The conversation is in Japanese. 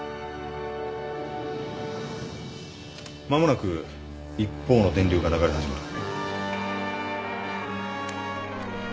まもなく一方の電流が流れ始める。